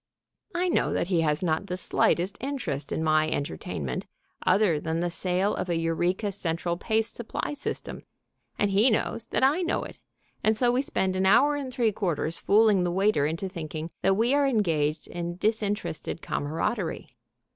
I know that he has not the slightest interest in my entertainment other than the sale of a Eureka Central Paste Supply System, and he knows that I know it, and so we spend an hour and three quarters fooling the waiter into thinking that we are engaged in disinterested camaraderie.